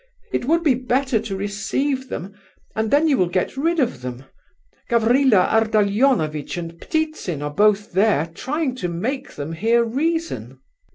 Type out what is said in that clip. It would be better to receive them, and then you will get rid of them. Gavrila Ardalionovitch and Ptitsin are both there, trying to make them hear reason."